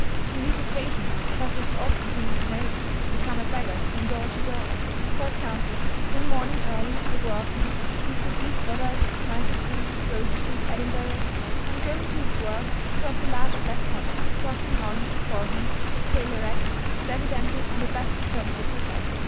On these occasions pussy has often been known to become a "beggar from door to door." For example, one morning early, a workman, Mr. D. Stoddart, 92, Rose Street, Edinburgh, on going to his work, observed a large black cat, trotting on before him, with tail erect and evidently on the best of terms with herself.